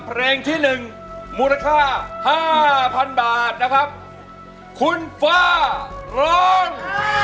เพลงที่๑มูลค่า๕๐๐๐บาทนะครับคุณฟาร้อง